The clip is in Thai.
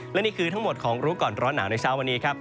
และนี่คือทั้งหมดของรู้ก่อนร้อนหนาวในเช้าวันนี้ครับ